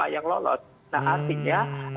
delapan puluh lima yang lolos nah artinya